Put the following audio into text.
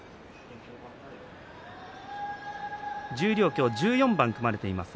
十両は１４番、組まれています。